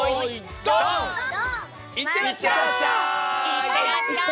いってらっしゃい！